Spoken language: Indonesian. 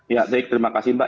ya baik terima kasih mbak